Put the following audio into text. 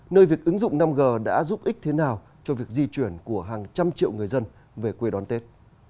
nơi việc ứng dụng năm g đã giúp ích thế nào cho việc di chuyển của hàng trăm triệu người dân về quê đón tết